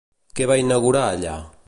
Què va inaugurar allà?